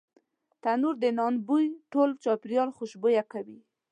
تنور د نان بوی ټول چاپېریال خوشبویه کوي